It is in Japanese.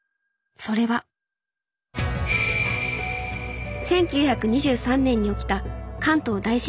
それは１９２３年に起きた関東大震災。